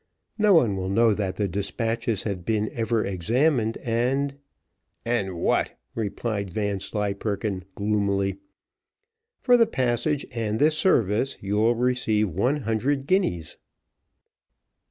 No one will know that the despatches have been ever examined, and " "And what?" replied Vanslyperken, gloomily. "For the passage, and this service, you will receive one hundred guineas."